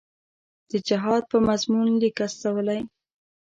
د جهاد په مضمون لیک استولی.